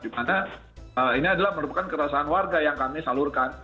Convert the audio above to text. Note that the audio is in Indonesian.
karena ini adalah merupakan kerasaan warga yang kami salurkan